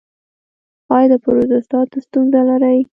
ایا د پروستات ستونزه لرئ؟